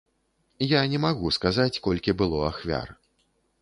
Я не магу сказаць, колькі было ахвяр.